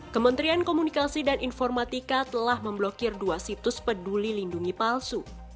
kementerian komunikasi dan informatika telah memblokir dua situs peduli lindungi palsu